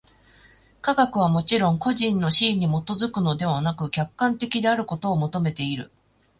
科学はもちろん個人の肆意に基づくのでなく、客観的であることを求めている。